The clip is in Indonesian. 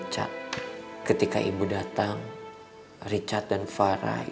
saya berdosa mbak